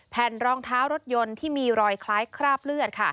รองเท้ารถยนต์ที่มีรอยคล้ายคราบเลือดค่ะ